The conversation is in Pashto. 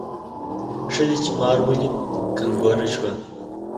ښځې چې مار ولید کنګوره شوه.